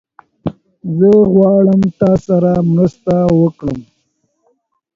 زه غواړم تاسره مرسته وکړم